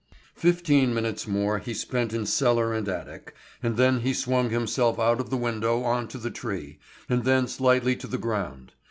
Fifteen minutes more he spent in cellar and attic, and then he swung himself out of the window on to the tree, and thence lightly to the ground.